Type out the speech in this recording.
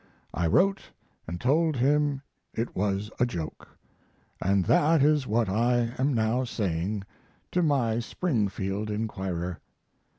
I wrote and told him it was a joke and that is what I am now saying to my Springfield inquirer.